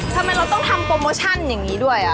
ทำไมเราต้องทำโปรโมชั่นอย่างนี้ด้วย